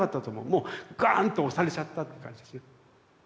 もうガーンと押されちゃったって感じですよね。